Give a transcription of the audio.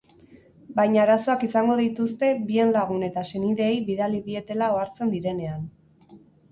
Baina arazoak izango dituzte bien lagun eta senideei bidali dietela ohartzen direnean.